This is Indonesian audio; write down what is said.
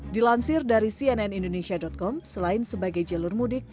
dilansir dari cnnindonesia com selain sebagai jalur mudik